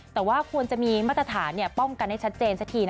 แต่ว่าควรจะมีมาตรฐานป้องกันให้ชัดเจนสักที